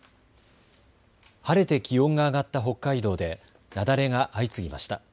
晴れて気温が上がった北海道で雪崩が相次ぎました。